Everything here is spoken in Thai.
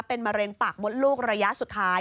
เป็นมะเร็งปากมดลูกระยะสุดท้าย